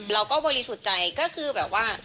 บริสุทธิ์ใจก็คือแบบว่า